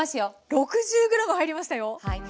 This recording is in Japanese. ６０ｇ入りましたよ。